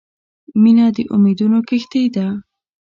• مینه د امیدونو کښتۍ ده.